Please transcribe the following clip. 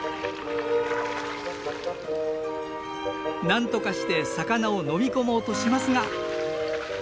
なんとかして魚を飲み込もうとしますが。